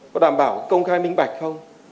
có đảm bảo công khai minh bạch không